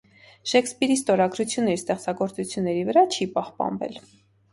Շեքսպիրի ստորագրությունը իր ստեղծագործությունների, վրա չի պահպանվել։